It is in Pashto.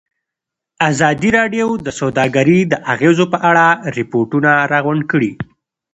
ازادي راډیو د سوداګري د اغېزو په اړه ریپوټونه راغونډ کړي.